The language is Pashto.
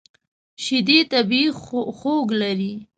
شیدې طبیعي خوږ لري.